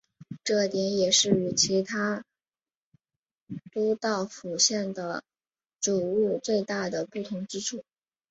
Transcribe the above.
这点也是与其他都道府县的煮物最大的不同之处。